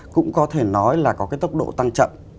cũng có thể nói là có cái tốc độ tăng chậm